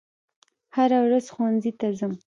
هره ورځ ښوونځي ته ځم